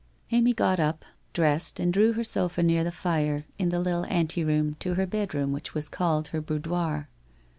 Amy got up, dressed and drew her sofa near the fire, in the little ante room to her bedroom which was called her boudoir.